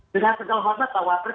dengan segala hormat pak wapres